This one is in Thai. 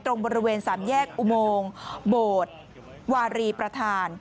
ตรงบริเวณสามแยกอุโมงโบสถ์วารีประธาน